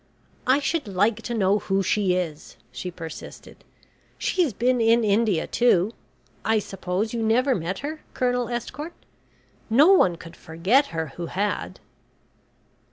"I should like to know who she is," she persisted. "She's been in India too. I suppose you never met her, Colonel Estcourt? No one could forget her who had!"